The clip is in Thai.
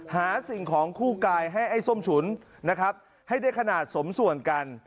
หาสิ่งของคู่กายให้ไอ้ส้มฉุนนะครับให้ได้ขนาดสมส่วนกัน